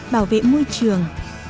bảo vệ môi trường